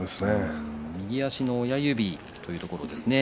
右足の親指というところですね。